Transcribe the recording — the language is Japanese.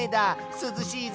すずしいぞ。